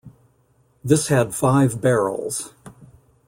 This had five barrels.